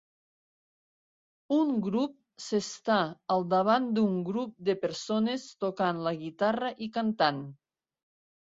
Un grup s'està al davant d'un grup de persones tocant la guitarra i cantant.